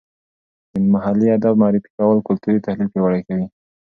د محلي ادب معرفي کول کلتوري تحلیل پیاوړی کوي.